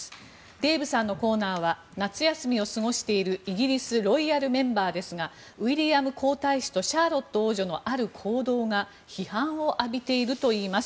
デーブさんのコーナーは夏休みを過ごしているイギリスロイヤルメンバーですがウィリアム皇太子とシャーロット王女のある行動が批判を浴びているといいます。